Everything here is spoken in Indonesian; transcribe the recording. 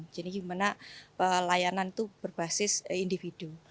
jadi gimana pelayanan itu berbasis individu